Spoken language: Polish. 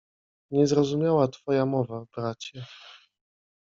Niezrozumiała twoja mowa, bracie.